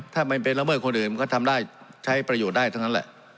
ถ้ามันเป็นละเมิดคนอื่นมันก็ทำได้ใช้ประโยชน์ได้ทั้งนั้นแหละ